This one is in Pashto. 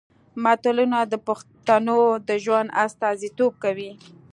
متلونه د پښتنو د ژوند استازیتوب کوي